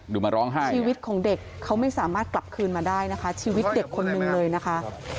มาร้องไห้ชีวิตของเด็กเขาไม่สามารถกลับคืนมาได้นะคะชีวิตเด็กคนนึงเลยนะคะ